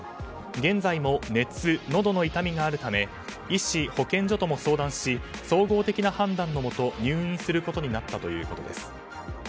現在も熱、のどの痛みがあるため医師、保健所とも相談し総合的な判断のもと入院することになったということです。